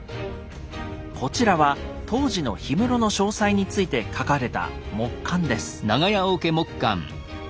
こちらは当時の氷室の詳細について書かれた木簡です。